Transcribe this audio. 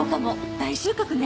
大収穫ね。